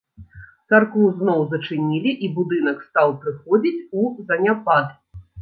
Царкву зноў зачынілі, і будынак стаў прыходзіць у заняпад.